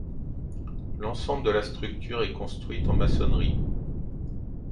L'ensemble de la structure est construite en maçonnerie.